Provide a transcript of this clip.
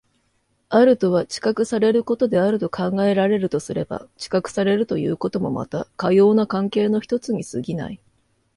あるとは知覚されることであると考えられるとすれば、知覚されるということもまたかような関係の一つに過ぎない。